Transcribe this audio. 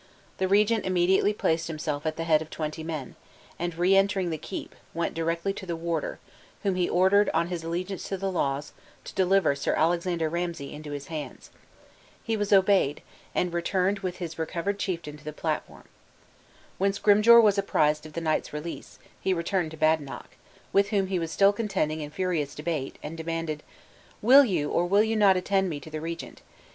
The regent immediately placed himself at the head of twenty men, and, re entering the keep, went directly to the warder, whom he ordered, on his allegiance to the laws, to deliver Sir Alexander Ramsay into his hands. He was obeyed, and returned with his recovered chieftain to the platform. When Scrymgeour was apprised of the knight's release, he turned to Badenoch, with whom he was still contending in furious debate, and demanded: "Will you or will you not attend me to the regent?